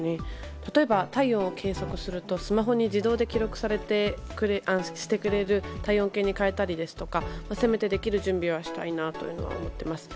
例えば、体温を計測するとスマホに自動で記録してくれる体温計にしたりですとかせめてできる準備はしたいなと思っています。